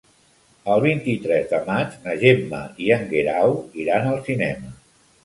El vint-i-tres de maig na Gemma i en Guerau iran al cinema.